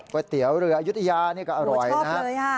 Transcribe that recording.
ก๋วยเตี๋ยวเรืออายุทยาก็อร่อยนะฮะ